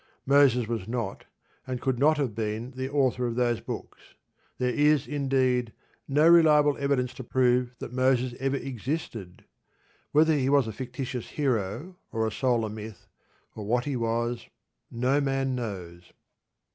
Moses was not, and could not have been, the author of those books. There is, indeed, no reliable evidence to prove that Moses ever existed. Whether he was a fictitious hero, or a solar myth, or what he was, no man knows.